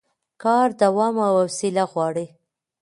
کار دوام او حوصله غواړي